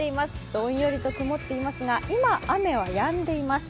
どんよりと曇っていますが今は雨、やんでいます。